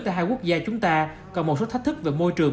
tại hai quốc gia chúng ta còn một số thách thức về môi trường